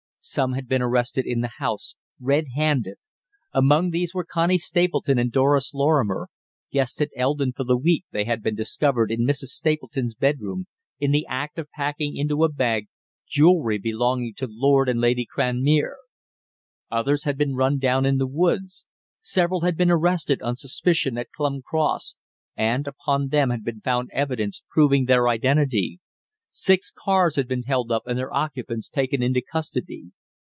Some had been arrested in the house, red handed; among these were Connie Stapleton and Doris Lorrimer guests at Eldon for the week, they had been discovered in Mrs. Stapleton's bedroom in the act of packing into a bag jewellery belonging to Lord and Lady Cranmere. Others had been run down in the woods. Several had been arrested on suspicion at Clun Cross, and upon them had been found evidence proving their identity. Six cars had been held up and their occupants taken into custody.